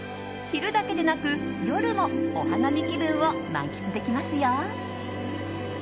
昼だけでなく夜もお花見気分を満喫できますよ。